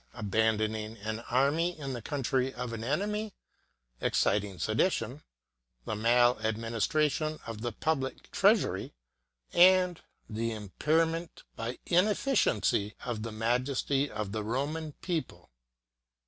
abandoning an army in the country of an enemy; exciting sedition; the maladministration of the public treasury; and the impairment by inefficiency of the majesty of the Roman people.